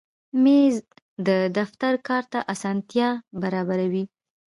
مېز د دفتر کار ته اسانتیا برابروي.